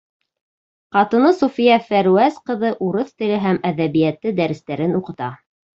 Ҡатыны Суфия Фәрүәз ҡыҙы урыҫ теле һәм әҙәбиәте дәрестәрен уҡыта.